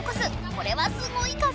これはすごい風！